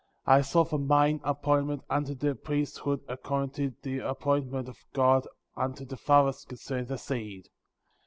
4. I sought for mine appointment unto the Priesthood* according to the appointment of God unto the fathers concerning the seed.